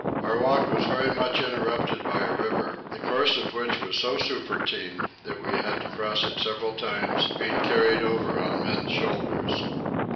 Our walk was very much interrupted by a river, the course of which was so serpentine that we had to cross it several times, being carried over on men's shoulders.